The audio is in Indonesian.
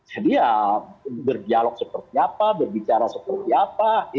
jadi ya berdialog seperti apa berbicara seperti apa